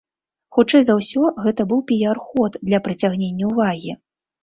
Хутчэй за ўсё, гэта быў піяр-ход для прыцягнення ўвагі.